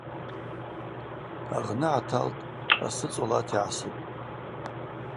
Агъны гӏаталтӏ, асы цӏолата йгӏасытӏ.